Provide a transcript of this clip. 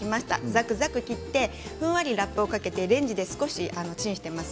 ザクザク切ってふんわりとラップをかけてレンジで少しチンしています。